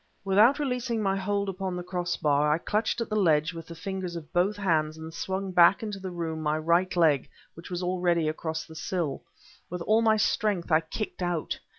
Without releasing my hold upon the crossbar, I clutched at the ledge with the fingers of both hands and swung back into the room my right leg, which was already across the sill. With all my strength I kicked out.